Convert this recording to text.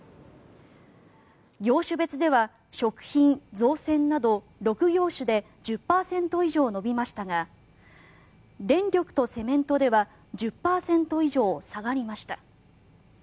業種別では食品・造船など６業種で１０％以上伸びましたが電力とセメントでは１０％以上下がりました。